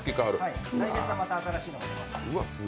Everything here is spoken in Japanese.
来月、また新しいのになります。